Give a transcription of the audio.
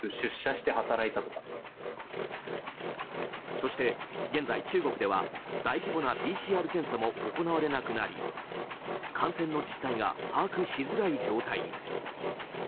そして、現在中国では大規模なＰＣＲ検査も行われなくなり感染の実態が把握しづらい状態に。